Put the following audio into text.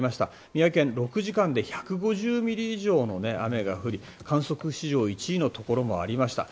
宮城県、６時間で１５０ミリ以上の雨が降り観測史上１位のところもありました。